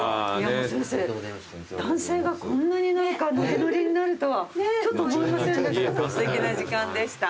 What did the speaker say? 男性がこんなに何かノリノリになるとはちょっと思いませんでした。